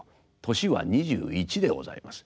年は２１でございます。